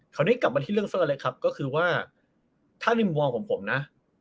คราวนี้กลับมาที่เรื่องเซอร์เล็กครับก็คือว่าถ้าในมุมมองของผมนะ